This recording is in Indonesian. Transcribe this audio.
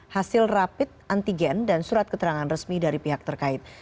hasil rapid antigen dan surat keterangan resmi dari pihak terkait